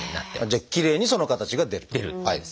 じゃあきれいにその形が出ると。